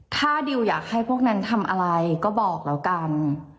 ถ้าดิวอยากให้พวกนั้นทำอะไรก็บอกแล้วกัน